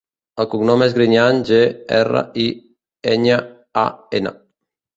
El cognom és Griñan: ge, erra, i, enya, a, ena.